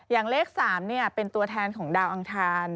อย่างเลข๓เป็นตัวแทนของดาวอังคาร